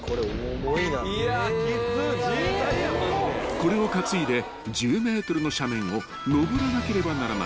［これを担いで１０ｍの斜面を登らなければならない］